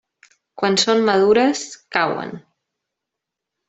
Quan són madures, cauen.